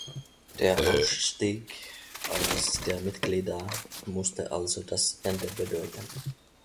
Der Ausstieg eines der Mitglieder „musste also das Ende bedeuten“.